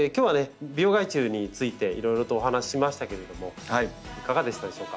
病害虫についていろいろとお話ししましたけれどもいかがでしたでしょうか？